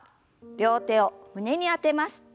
両手を胸に当てます。